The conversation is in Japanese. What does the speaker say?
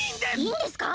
いいんですか！？